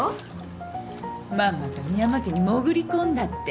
まんまと深山家に潜り込んだって。